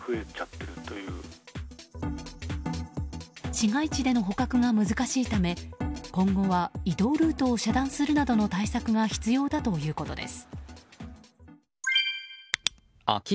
市街地での捕獲が難しいため今後は移動ルートを遮断するなどの対策が必要だということです。